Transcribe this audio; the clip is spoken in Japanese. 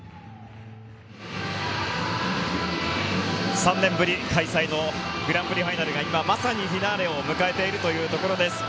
３年ぶり開催のグランプリファイナルが今まさにフィナーレを迎えているというところです。